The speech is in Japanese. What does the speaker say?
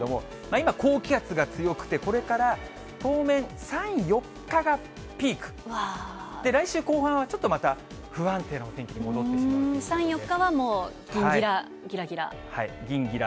今、高気圧が強くて、これから当面、３、４日がピーク、来週後半はちょっとまた不安定なお天気に戻ってしまうということ３、４日はぎんぎらぎらぎら。